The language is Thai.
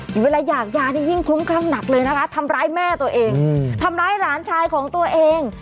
เวลาอยากยานี่ยิ่งคลุ้มคลั่งหนักเลยนะคะทำร้ายแม่ตัวเองทำร้ายหลานชายของตัวเอง